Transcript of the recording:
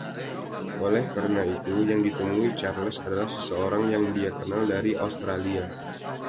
Oleh karena itu, yang ditemui Charles adalah seseorang yang dia kenal dari Australia.